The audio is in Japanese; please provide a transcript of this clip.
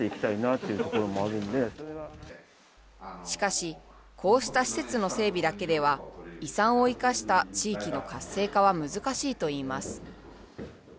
しかし、こうした施設の整備だけでは、遺産を生かした地域の活性化は難しいといいます。